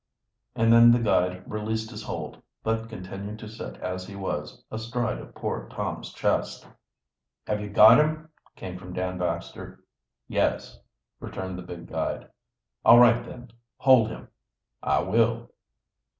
And then the guide released his hold, but continued to sit as he was, astride of poor Tom's chest. "Have you got him?" came from Dan Baxter. "Yes," returned the big guide. "All right; then hold him." "I will."